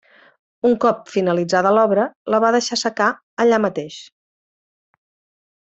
Un cop finalitzada l'obra, la va deixar assecar allà mateix.